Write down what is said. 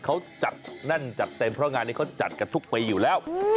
เขาจัดแน่นจัดเต็มเพราะงานนี้เขาจัดกันทุกปีอยู่แล้ว